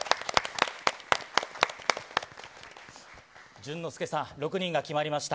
淳之介さん、６人が決まりました。